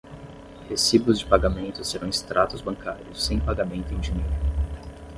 Recibos de pagamento serão extratos bancários sem pagamento em dinheiro.